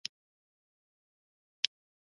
مصنوعي ځیرکتیا د پوهې اقتصاد ته بدلون ورکوي.